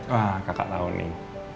wah kakak tahu nih